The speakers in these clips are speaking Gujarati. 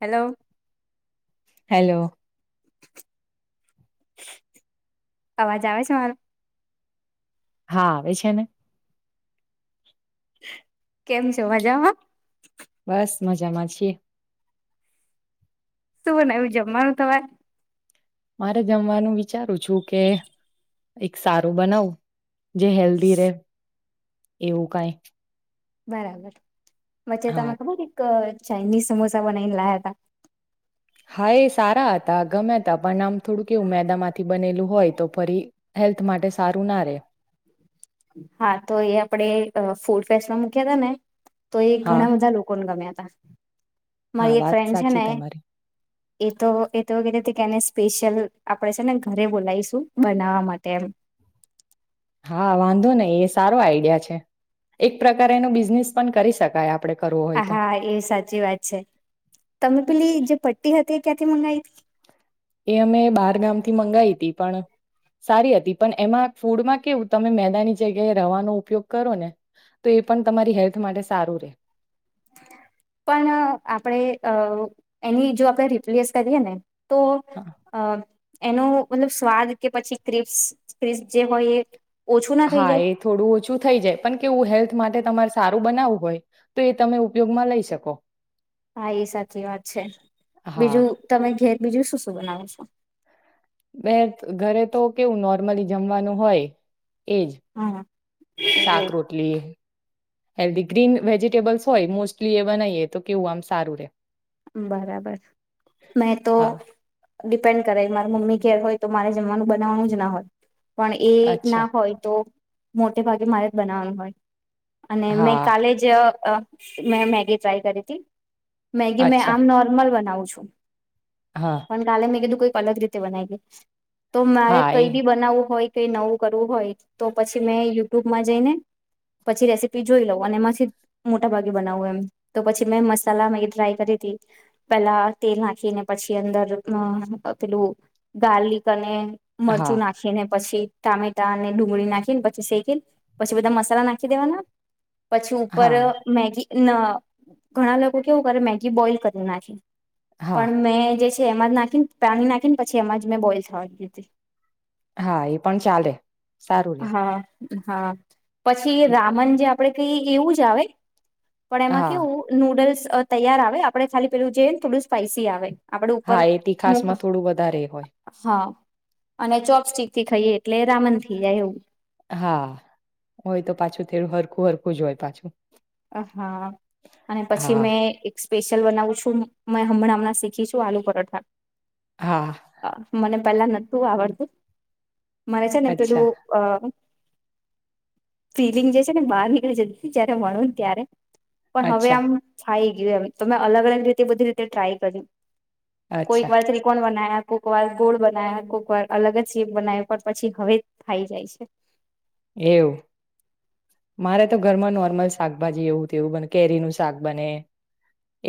હેલો. હેલો અવાજ આવે છે મારો. હા આવે છે ને. કેમ છે મજામાં? બસ મજામાં છીએ. તુ બનાયવું જમવાનું થવા. મારે જમવાનું વિચારું છું કે એક સારું બનાવું. જે હેલ્ધી રે. એવું કાંઈ. બરાબર. વચ્ચે તમે ખબર એક ચાઇનીઝ સમોસા બનાઈને લાયા હતા. હા એ સારા હતા ગમે તા પણ આમ થોડું કેવું મેદામાંથી બનેલું હોય તો ફરી હેલ હા તો એ આપડે અ ફૂ ફેસમાં મૂક્યા તા ને. તો એ હા ઘણા બધા લોકોને ગમ્યા હતા. હા મારી એક વાત ફ્રેન્ડ છે સાચી ને. તમારી એ તો એ તો કેતી કે એને સ્પેશિયલ આપડે છે ને ઘરે બોલાવીશું બનાવવા માટે એમ. હા વાંધો નહી એ સારો આઈડિયા છે. એક પ્રકાર એનો બિઝનેસ પણ કરી શકાય આપડે. કરવો હોય તો હા એ સાચી વાત છે તમે પેલી જે પટ્ટી હતી કે થી મંગાઈ? એ અમે બાર ગામથી મંગાઈ તી પણ સારી હતી પણ એમાં ફૂડમાં કેવું તમે મેદાની જગ્યાએ રવાનો ઉપયોગ કરો ને તો એ પણ તમારી હેલ્થ માટે સારું રે. પણ આપડે અ એની જો આપડે રિપ્લેસ કરીએ ને તો અ એનો મતલબ સ્વાદ કે પછી ક્રિપસ ક્રિસ્ જે હોય એ ઓછું ના થઈ હા જાય એ થોડું ઓછું થઈ જાય પણ કેવું હેલ્થ માટે તમાર સારું બનાવવું હોય તો એ તમે ઉપયોગમાં લઈ શકો. હા એ સાચી વાત છે, હા બીજું તમે ઘેર બીજું શું શું બનાવો છો? બે ઘરે તો કેવું નોર્મલી જમવાનું હોય. એજ, હા શાક રોટલી. હેલ્ધી ગ્રીન વેજીિટેબલ્સ હોય મોસ્ટલી એ બનાવીએ તો કેવું આમ સારું રે. બરાબર, મેં તો હા ડિપેન્ડ કરે માર મમ્મી ઘેર હોય તો મારે જમવાનું બનાવવાનું જ ના હોય. પણ એ ના અચ્છા હોય તો મોટે ભાગે મારે જ બનાવાનું હોય. અને મેં હા કાલે જ મેં મેગી ટ્રાય કરી હતી. મે અચ્છા આમ નોર્મલ બનાવુ છું. છું. હા પણ કાલે મેં કીધું કોઈ અલગ રીતે બનાઈ ગ. તો મારે હા એ કઈ બી બનાવવું હોય કેઈ નવું કરવું હોય તો પછી મેં યુટ્યુબમાં જઈને, પછી રેસીપી જોઈ લઉં અને એમાંથી મોટા ભાગે બનાવું એમ, તો પછી મેં મસાલા ડ્રાય કરી, પેલા તેલ નાખીને પછી અંદર પેલું ગાર્લિક અને હા મરચું નાખી ને પછી ટામેટા અને ડુંગળી નાખીને પછી શેકીને પછી બધા મસાલા નાખી દેવાના. પછી ઉપર હા મેગી ના ઘણા લોકો કેવું કરે મે બોઇલ કરીના છે. હા પણ મેં જે પછી એમાં જ નાખીને પાણી નાખીને પછી એમાં જ મેં બોઈલ થવાધી. હા એ પણ ચાલે. સારું રે. હા હા. પછી એ રામન જે આપડે કઈ એવું જ આવે પણ એમાં હા કેવું નુડલ્સ તૈયાર આવે આપડણે ખાલી પેલું જઈએ ને થોડું સ્પાઈસી આવે. આપડે ઉપર હા એથી મૂક ખાસમાં થોડું વધારે હોય. હા અને ચોપસ્ટિક થી ખાઈએ એટલે રામન થઈ જાય એવું. હા, હોય તો પાછું થડું હરખું હરખું જ હોય. પાછું આહા અને પછી હા મે એઝ સ્પેશિયલ બનાવું છું મે હમણાં હમણાં શીખીશું આલુ પરાઠા. હા આ મને પેલલા નતું આવડતું. મારે છે ને અચ્છા પેલું અહ ફિલિંગ જે છે ને બહાર નીકળી જતી ત્યારે મળું ત્યારે. પણ હવે અચ્છા આમ ફાઈ ગી આવી. તમે અલગ અલગ રીતે બધી રીતે ટ્રાય કરી કોઈક અચ્છા વાર ત્રીકોણ બનાયા કોક વાર ગોળ બના્યા કોક વાર અલગ જ ચીપ બનાવી પણ પછી હવે ફાઈ જાય છે. એવું મારે તો ઘરમાં નોર્મલ શાકભાજી એવું તેવું બને કેરીનું શાક બને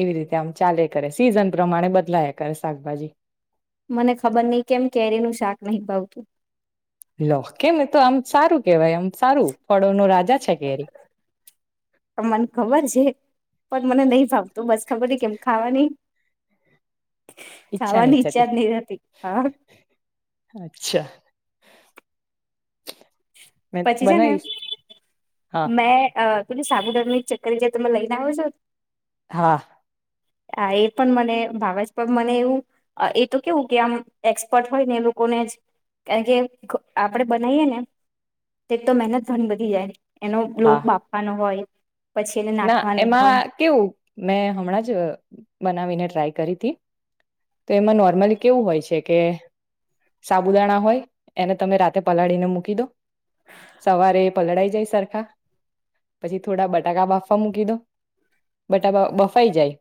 એવી રીતે આમ ચાલે કરે સિઝન પ્રમાણે બદલાય કરે શાકભાજી. મને ખબર નહી કેમ કેરીનું શાક નહીં ભાવતું. લો, કેમ એ તો આમ સારું કેવાય અમ સારું ફળોનો રાજા છે કેરી. પર મને નહીં ફાવ તો બસ ખબર કેમ ખાવાની ઈચ્છા નહીં ખાવાની થતી, જ નહી રહેતી હા અચ્છા. મેં પછી છે ને, બનાવીશ હા મેં અહ પછી સાબુદાન ની ચક્કરી જે તમે લઈને આવો છો હા. હા, એ પણ મને ભાવ છે. મને એવું અહ એ તો કેવું કે આમ એક્સપર્ટ હોય ને, એ લોકોને જ કારણ કે ક આપણેે બનાઈએ ને તે તો મહેનત ઘણી બધી જાય એનો લોટ હા બાફવાનો હોય. પછી એને ના નાખવાની હોય એમાં કેવું મેં હમણાં જ અહ બનાવીને ટ્રાય કરી તી. તો નોર્મલી કેવું હોય છે કે સાબુદાણા હોય એને તમે રાતે પલાડી ને મૂકી દો. સવારે પલડાઈ જાએ સરખા. પછી થોડા બટાકા બાફ વા મૂકી દો, બટાકા બ-બફાઈ જાય,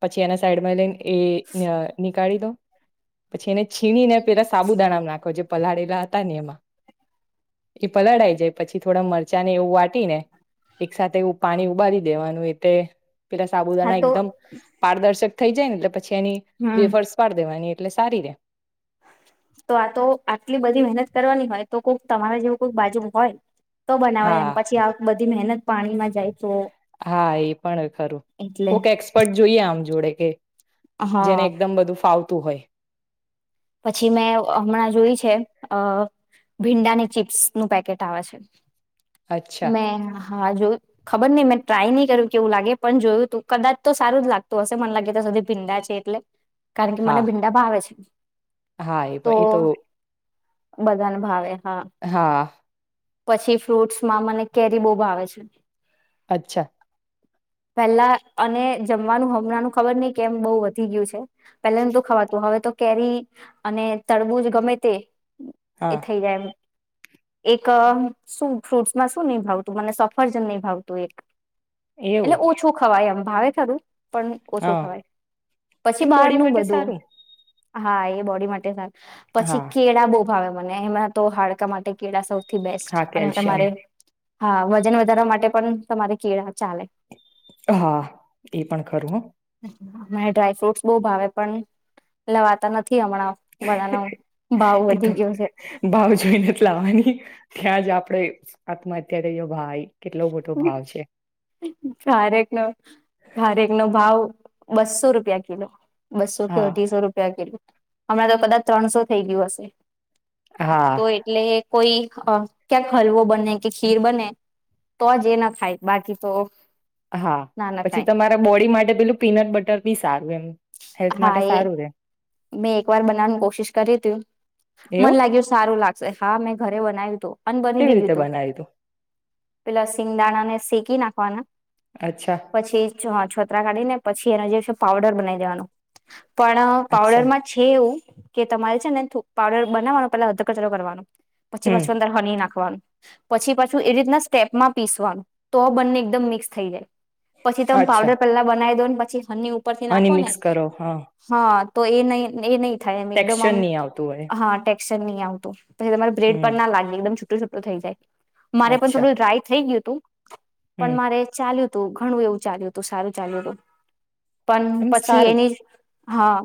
પછી એના સાઈડમાં લઈને એ અહ નીકાળી દો. પછી એને છીની ને પેલા સાબુદાણામાં નાખો જે પલાળેલા હતા ને એમાં. એ પલળાઈ જાય પછી થોડા મરચાં ને એવું વાટી ને એક સાથે ઉ પાણી ઉબાારી દેવાનું એ તે પેલા હા સાબુદાણા તો એકદમ પારદર્શક થઈ જાએ ને છે ની હમ વેફર્સ પાડ દેવાની ઈ એટલે સારી રે. તો આતો આટલી બધી મહેનત કરવાની હોય, તો કોઈક તમારે જેવું કોઈક બાજુ હોય. તો બનાવે એમ હા પછી આ બધી મહેનત. પાણીમાં જાય. તો હા, એ પણ ખરું. એટલે કોક એક્સપર્ટ જોઈએ આમ જોડે. [inaudible] જેને હા એકદમ બધું ફાવ. તો હોય. પછી મેં હમણાં જોઈ છે. અ ભીંડાની ચીપ્સ નું પેકેટ આવે છે. અચ્છા મે હા જો ખબર નહી મે. ટ્રાય ની કર્યું, કેવું લાગે. પણ જોયું તું કદાચ તો સારું જ લાગતું હશે. મને લાગે તો સુધી ભીંડા છે એટલે. કારણ કે મને હા ભીંડા ભાવે છે. હા, એ તો પણ એતો. બધાને ભાવે. હા હા. પછી ફ્રૂટ્સમાં મને કેરી બો ભાવે છે. અચ્છા. પહેલા અને જમવાનું હમણાંનુ ખબરની કેમ બહુ વધી ગયું છે. પહેલા તો ખવાતું હવે તો કેરી અને તડબુંજ ગમે તે. એ હા થઈ જાય એમ. એક. ક શું ફ્રૂટ્સમાં શુંની ભાવતું મને સફરજનની ભાવતું એક. એટલે એવું ઓછું ખવાય એમ. ભાવે ખરું. પણ ઓછો હા ખવાય પછી એમ બોડી બારનુ માટે બધું. સારું હા, એ બોડી માટે સા પછી હા કેળા બો. મને એમના તો હાડકા માટે કેળા સૌ થી બેસ્ટ હા અને કેલ્શિયમ તમારે. હા, વજન વધારવા માટે પણ તમારે કેળા ચાલે. હા, એ પણ ખરું હ. મને ડ્રાય ફ્રુટસ બો ભાવે પણ લવાતા નથી. હમણાં હ બધાનો ભાવ એ વધી તો ગયો છે. ભાવ જોઈને જ લાવવાની ત્યાં જ આપરે આત્મહત્યાયારે ભાઈ. કેટલો મોટો ભાવ છે કારેકનો કારેકનો ભાવ. બસ્સો રૂપિયા કિલો. બસો થી હા અઢીસો રૂપિયા કિલો. હમણાં તો કદાચ ત્રણસો થઈ ગયું હશે. હા તો એટલે કોઈ ક્યાં હલવો બને, કે ખીર બને તો જ એ ના ખાય. બાકી તો હા, ના ના પછી તમારા બોડી માટે પેલું પીનટ બટર બી સારું એમ. હેલ્થ હા, માટે એ સારું રે મેં એક વાર બનાવાનું કોશિશ કરી તું મન એવું લાગ્યું સારું લાગે હા મેં ઘરે બનાય્યું હતું. અને બની કેવી બી ગયું રીતે તું. બનાવી પેલા સિંગદાણા ને શેકી શેકી નાખવાના અચ્છા પછી છોતરા કાઢીને પછી એનો જે છે પાવડર બનાવી દેવાનું. પણ પાવડર અચ્છા માં છે, એવું કે, તમારે છે ને થોડોક પાવડર બનાવવાનો પેલા અધ કચરો કરવાનો. પછી હમ પાછી અંદર હની નાખવાનું. પછી પાછું એ રીતના સ્ટેપમાં પીસવા નું, તો બંને એકદમ મિક્સ થઈ જાય. પછી તમે અચ્છા પાવડર પેલા બનાવી દો પછી હની ઉપરથી હની નાખો ને મિક્સ કરો. હા. હા તો એ નહી, એ નહી. થાય. એમ એકદમ ટેક્સચર આમ, નહી આવતું હોય હા. [unintelligible] નહી આવતું. પછી તમારે બ્રેડ હમ પણ ના લાગે એકમ છુટ્ટુ થઈ જાય. મારે પણ અચ્છા થોડું ડ્રાય થઈ ગયું હતું. પણ હમ મારે ચાલી ગયું. તો ઘણું એવું ચાલ્યું હતું, સારું ચાલ્યું હતું. એમ પણ એ સારું એની હા,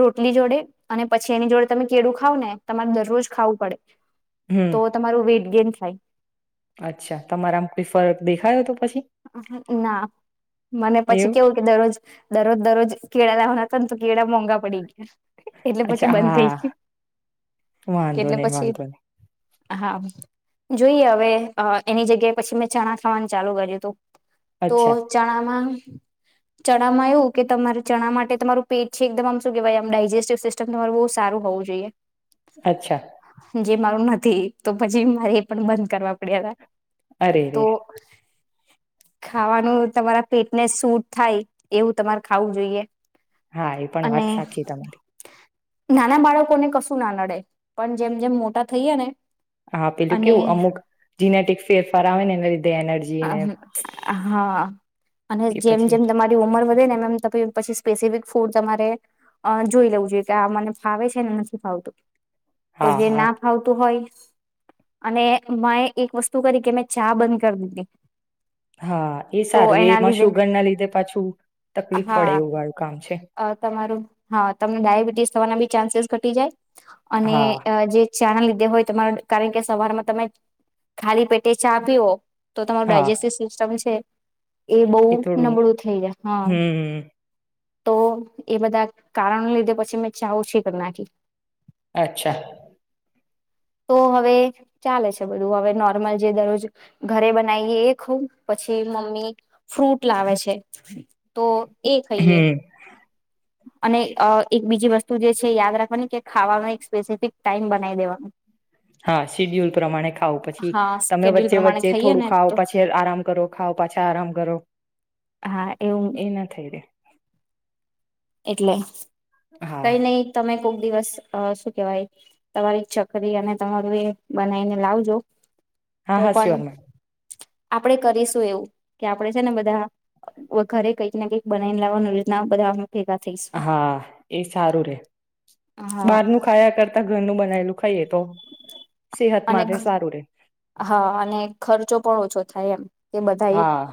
રોટલી જોડે અને પછી એની જોડે તમે કેળું ખાવ ને, તમારે દરરોજ ખાવું પડે. હમ તો તમારું વેટ ગેન થાય. સાઈ અચ્છા તમારામાં કોઈ ફરક દેખાયો તો. અહ ના મને પછી એવું કેવું ક દરરોજ દરરોજ દરરોજ કેલળા તંત કેેળા મોંઘા પડી એટલે પછી અચ્છા બંધ થઈ હા ગયુ વાંધો એટલે નહી પછી વાંધો નહી હા જોઈએ હવે અ એની જગ્યાએ પછી મેં ચણા ખાવાનું ચાલુ કર્યું. હતું અચ્છા તો ચણામાં ચણામાં એવું કે તમારે ચણા માટે તમારું પેટ છે એકદમ આમ શું કેવાય આમ ડાયજેસ્ટિ સિસ્ટમ તમારે બહુ સારું હોવું જોઈએ. અચ્છા. જે મારું નથી તો પછી મારે એ પણ બંધ કરવા પડ્યા તા. અરે તો રે ખાવાનું તમારા પેટને સૂ થાય એવું તમારે ખાવું જોઈએ. હા એ પણ અને વાત સાચી તમારી. નાના બાળકોને કશું ના નડે પણ જેમ જેમ મોટા થઈયે ને હા પેલું અને કેવું અમુક જીનેટીક્સે ફરાવેને એના લીધે એનર હાજ હા. હા. અને એ જેમ પછી જેમ તમારી ઉમર વધે ને એમ તો પહી પછી સ્પેસિફિક ફૂડ જમારે અ જોઈ લેવું જોઈએ કે આ મને ફાવે છે ને નથી ફાવતું. તો હા જે હા ના ફાવતું હોય. અને મે એક વસ્તુ કરી કે મેં ચા બંધ કરી દીધી. હા એ તો સારું એ એના એમાં લીધે શુગર ના લીધે પાછું તકલીફ હા પડે એવું વાળું કામ છે. અ તમારું હા તમને ડાયાબિટીસ થવાના બી ચાન્સીસ ઘટી જાય અને હા અ જે ચા ના લીધે હોય તમાર કારણ કે સવારમાં તમે ખાલી પેટે ચા પીઓ તો તમારું હા ડાયજેસ્ટિવ સિસ્ટમ છે. એ બઉ નબળું થઈ જાય હા. હમ તો એ બધા કારણને લીધે પછી મે ચા ઓછી કરી નાખી. અચ્છા. તો હવે ચાલો છે બધું હવે નોર્મલ જે દરરોજ ઘરે બનાવીયે એ ખઉ પછી મમ્મી ફ્રૂટ લાવે છે. તો એ ખઈયે. હમ અને અ એક બીજી વસ્તુ જે છે યાદ રાખવાની કે ખાવામા એક સ્પેસિફિક ટાઈમ બનાવી દેવાનું હા શીડ્યુલ પ્રમાણે ખાવ પછી હા તમે સ્કેડ્યુલ વચ્ચે પ્રમાણે વચ્ચે ખાઈએ થોડું ને ખાવ તો પછી આરામ કરો ખાઓ પાછા આરામ કરો. હા એવું [inaudible] એટલે હા કઈ નહી તમે કોક દિવસ શું કેવાય તમારી ચકરી અને તમારું એ બનાવીને લાવજો હા હું હા પણ શિવન મેમ આપડે કરીશું એવું કે આપડે છે ને બધા ઘરે કઈક ને કઈક બનાવીને લાવવાનું રીતના બધા ભેગા થઈશું હા એ સારું રે હા બારનું ખાયા કરતા ઘરનું બનાયલું ખાઈએ તો સેહત અને માટે સારું રે હા અને ખર્ચો પણ ઓછો થાય એમ કે બધા હા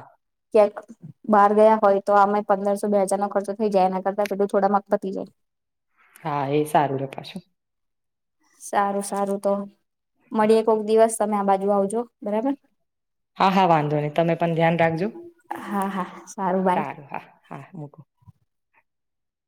ક્યાક બહાર ગયા હોય તો આમે પંદરસો બે હજાર નો ખર્ચો થઇ જાય એના કરતા પેલું થોડા માક વધી જાય હા એ સારું રે પાછુ સારું સારું તો મળીએ કોક દિવસ તમે આ બાજુ આવજો બરાબર હા હા વાંધો નહી તમે પણ ધ્યાન રાખજો હા હા બાય સારું હા હા મૂકો